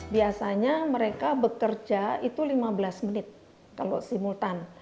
biasanya mereka bekerja itu lima belas menit kalau simultan